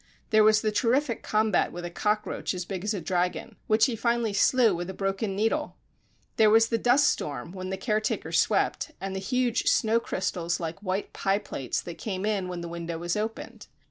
There was the terrific combat with a cockroach as big as a dragon, which he finally slew with a broken needle! There was the dust storm, when the care taker swept, and the huge snow crystals like white pie plates, that came in when the window was opened.